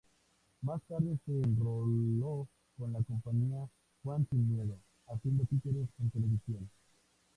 Más tarde se enroló con la compañía "Juan sin Miedo" haciendo títeres en televisión.